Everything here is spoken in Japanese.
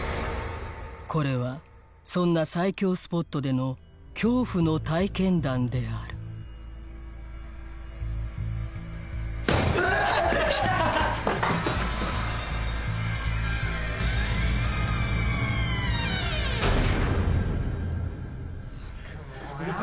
これはそんな最恐スポットでの恐怖の体験談であるうわ！